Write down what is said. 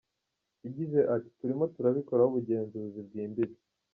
Yagize ati “Turimo turabikoraho ubugenzuzi bwimbitse.